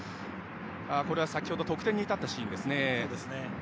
これは先ほど得点に至ったシーンです。